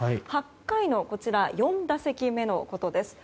８回の４打席目のことです。